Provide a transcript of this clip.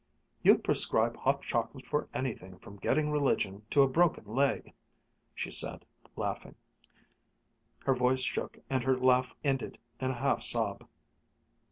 "You'd prescribe hot chocolate for anything from getting religion to a broken leg!" she said, laughing. Her voice shook and her laugh ended in a half sob.